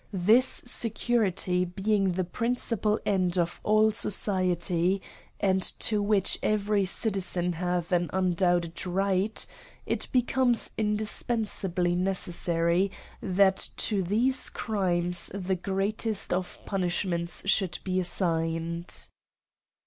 This security being the principal end of all society, and to which every citizen hath an undoubted right, it becomes indis pensably necessary, that to these crimes the great est of punishments should be assigned.